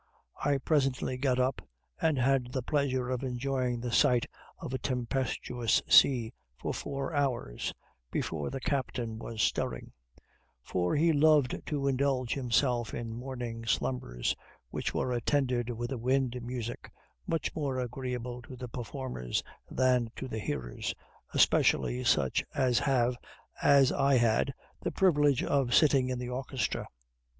I presently got up, and had the pleasure of enjoying the sight of a tempestuous sea for four hours before the captain was stirring; for he loved to indulge himself in morning slumbers, which were attended with a wind music, much more agreeable to the performers than to the hearers, especially such as have, as I had, the privilege of sitting in the orchestra.